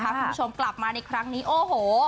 คุณผู้ชมกลับมาในครั้งนี้โอ้โห